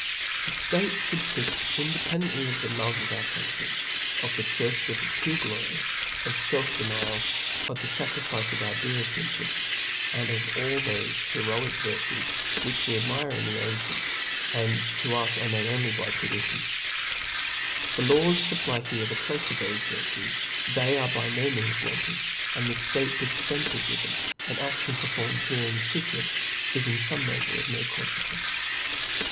The iftate fubfifts independently of the love of OHr ciountry, of thethirft of true glory, of fel^ df nial, of the fecrifice of our dcareft interefts, and ^ all thofe heroic virtues which we admire in the gncients, and to gs are known only by ftory. The lawsfupply here the place of thofe virtues t they arc by |io means wanted, and the ftate dii peafcs wi;h them : an adtion performed here in fe ast is in foooe meafure of no confequence.